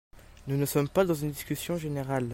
Nous ne sommes pas dans une discussion générale.